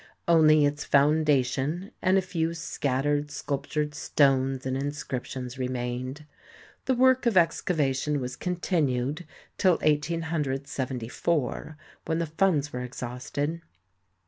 Only its foundation and a few scattered sculptured stones and inscriptions remained. The work of excava tion was continued till 1874 when the funds were exhausted.